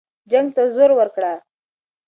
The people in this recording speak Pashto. جنګ ته زور ورکړه.